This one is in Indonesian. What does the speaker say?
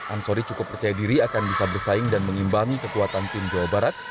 ansori cukup percaya diri akan bisa bersaing dan mengimbangi kekuatan tim jawa barat